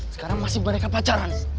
sekarang masih mereka pacaran